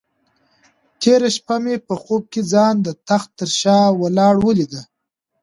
تېره شپه مې په خوب کې ځان د تخت تر شا ولاړه ولیده.